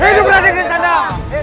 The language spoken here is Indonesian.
hidup raden kian santang